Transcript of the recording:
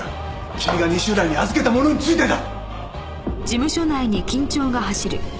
君が西浦に預けたものについてだ！